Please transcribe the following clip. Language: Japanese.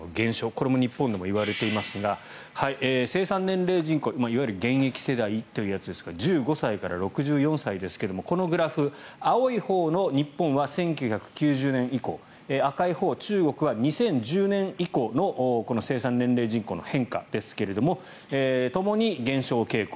これも日本でもいわれていますが生産年齢人口、いわゆる現役世代というやつですが１５歳から６４歳ですがこのグラフ青いほうの日本は１９９０年以降赤いほう中国は２０１０年以降の生産年齢人口の変化ですがともに減少傾向。